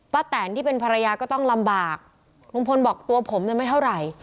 แตนที่เป็นภรรยาก็ต้องลำบากลุงพลบอกตัวผมเนี่ยไม่เท่าไหร่